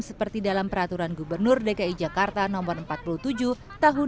seperti dalam peraturan gubernur dki jakarta no empat puluh tujuh tahun dua ribu dua puluh